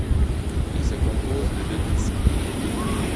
Il se compose de deux disques.